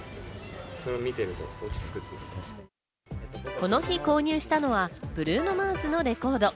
この日、購入したのはブルーノ・マーズのレコード。